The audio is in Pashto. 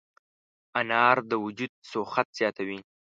انار د وجود سوخت زیاتوي.